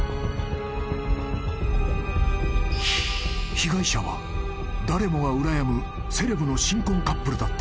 ［被害者は誰もがうらやむセレブの新婚カップルだった］